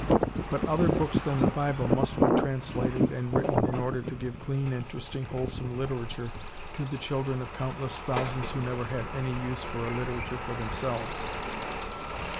But other books than the Bible must be translated and written in order to give clean, interesting, wholesome literature to the children of countless thousands who never had any use for a literature for themselves.